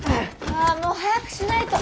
あもう早くしないと。